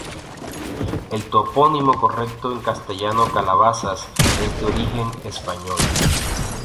El topónimo correcto en castellano Calabazas, es de origen español.